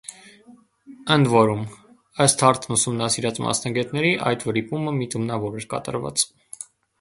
Ընդ որում, ըստ հարցն ուսումնասիրած մասնագետների, այդ վրիպումը միտումնավոր էր կատարված։